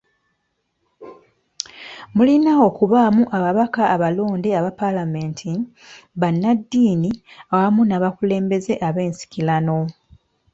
Mulina okubaamu ababaka abalonde aba Palamenti, bannaddiini wamu n'abakulembeze b'ensikirano.